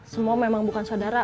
semua memang bukan sodara